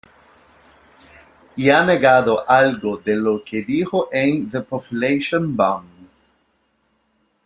Y ha negado algo de lo que dijo en "The Population Bomb".